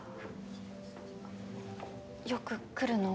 よく来るの？